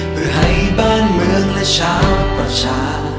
เพื่อให้บ้านเมืองและชาวประชา